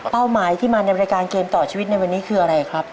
หมายที่มาในรายการเกมต่อชีวิตในวันนี้คืออะไรครับ